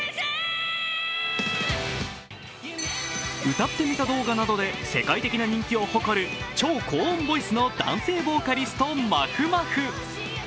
歌ってみた動画などで世界的な人気を誇る超高温ボイスの男性ボーカリスト、まふまふ。